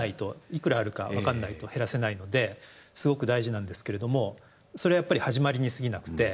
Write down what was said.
いくらあるか分かんないと減らせないのですごく大事なんですけれどもそれはやっぱり始まりにすぎなくて。